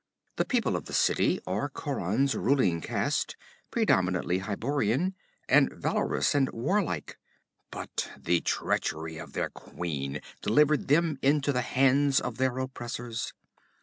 The people of the city are Khauran's ruling caste, predominantly Hyborian, and valorous and war like. But the treachery of their queen delivered them into the hands of their oppressors.